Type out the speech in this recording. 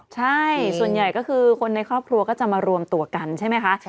ใช่ส่วนใหญ่ก็คือคนในครอบครัวก็จะมารวมตัวกันใช่ไหมคะ